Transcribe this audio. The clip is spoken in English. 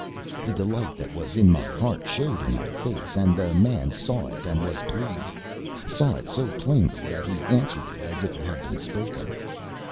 The delight that was in my heart showed in my face, and the man saw it and was pleased; saw it so plainly that he answered it as if it had been spoken.